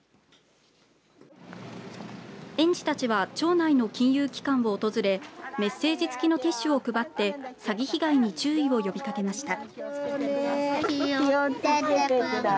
園児たちは町内の金融機関を訪れメッセージつきのティッシュを配って詐欺被害に注意を呼びかけました。